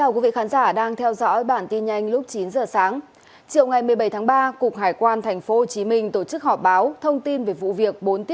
cảm ơn các bạn đã theo dõi